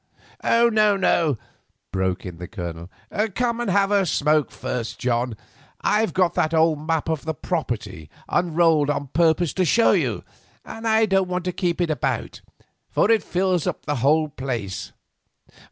"No, no," broke in the Colonel, "come and have a smoke first, John. I've got that old map of the property unrolled on purpose to show you, and I don't want to keep it about, for it fills up the whole place.